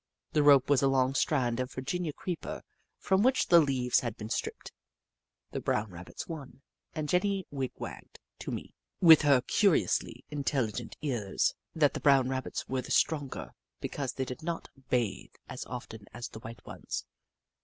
The rope was a long strand of Virginia creeper from which the leaves had been stripped. The brown Rabbits won, and Jenny wig wagged to me with her curiously intelligent ears that 194 The Book of Clever Beasts the brown Rabbits were the stronger, because they did not bathe as often as the white ones.